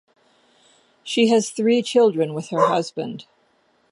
She has three children with her husband.